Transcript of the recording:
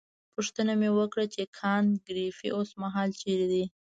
پوښتنه مې وکړه چې کانت ګریفي اوسمهال چیرې دی.